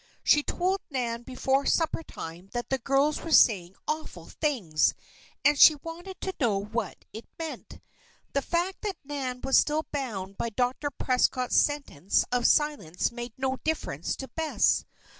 She told Nan before suppertime that the girls were saying awful things, and she wanted to know what it meant. The fact that Nan was still bound by Dr. Prescott's sentence of silence made no difference to Bess.